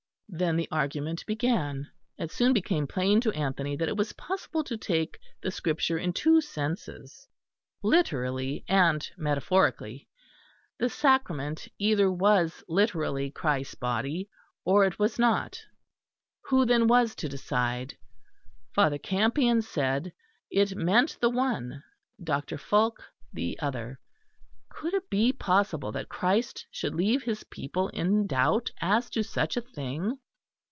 Then the argument began. It soon became plain to Anthony that it was possible to take the Scripture in two senses, literally and metaphorically. The sacrament either was literally Christ's body, or it was not. Who then was to decide? Father Campion said it meant the one; Dr. Fulke the other. Could it be possible that Christ should leave His people in doubt as to such a thing?